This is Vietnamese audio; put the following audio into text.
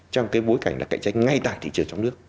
trong cái bối cảnh là cạnh tranh ngay tại thị trường trong nước